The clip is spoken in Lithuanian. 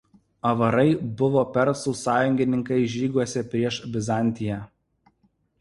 Avarai buvo persų sąjungininkai žygiuose prieš Bizantiją.